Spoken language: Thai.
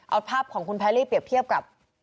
เอาภาพของคุณแพรรี่เปรียบเทียบกับ